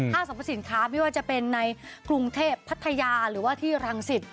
สรรพสินค้าไม่ว่าจะเป็นในกรุงเทพพัทยาหรือว่าที่รังสิต